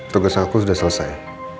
tugas aku sudah selesai